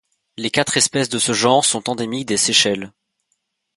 Les quatre espèces de ce genre sont endémiques des Seychelles.